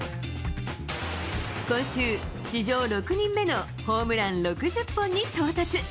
今週、史上６人目のホームラン６０本に到達。